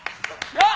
よっ。